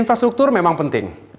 infrastruktur memang penting